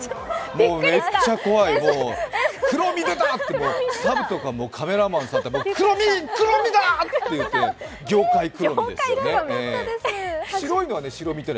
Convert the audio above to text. もうめっちゃ怖い、クロミ出た！とサブとかカメラマンさんとか、クロミ、クロミだーって言って、ギョーカイクロミですね。